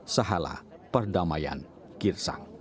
sahalah perdamaian kirsang